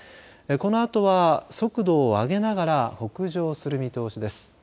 このあとは速度を上げながら北上する見通しです。